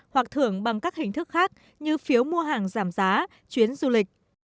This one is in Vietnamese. hoặc thưởng bằng các hình thức khác như phiếu mua hàng giảm giá chuyến du lịch